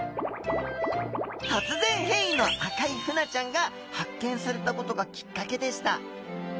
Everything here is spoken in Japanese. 突然変異の赤いフナちゃんが発見されたことがきっかけでした。